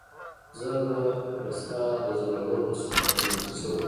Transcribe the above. زه به د ستا د زورور حسن په وړاندې څه وم؟